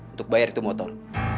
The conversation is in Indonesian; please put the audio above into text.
untuk bayar itu motor